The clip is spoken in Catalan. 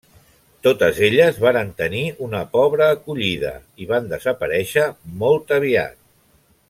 Totes elles varen tenir una pobra acollida, i van desaparèixer molt aviat.